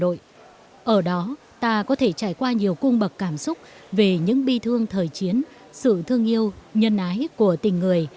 ở đó ta có thể trải qua nhiều cung bậc cảm xúc về những bi thương thời chiến sự thương yêu nhân ái của tình người